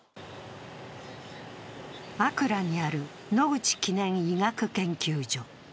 アクラにある野口記念医学研究所。